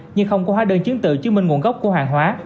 nhưng không có hóa đơn chiến tự chứng minh nguồn gốc của hàng hóa